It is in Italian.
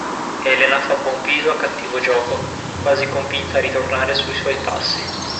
Elena fa buon viso a cattivo gioco, quasi convinta a ritornare sui suoi passi.